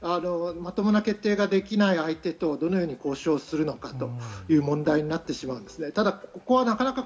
まともな決定ができない相手とどのように交渉をするのかという問題になってしまう。